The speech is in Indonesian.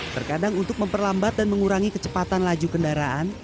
terkadang untuk memperlambat dan mengurangi kecepatan laju kendaraan